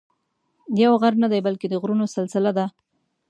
یو غر نه دی بلکې د غرونو سلسله ده.